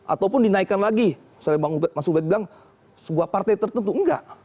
ataupun dinaikkan lagi saya mas ubed bilang sebuah partai tertentu enggak